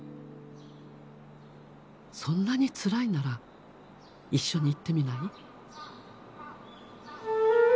「そんなにつらいなら一緒に行ってみない？」。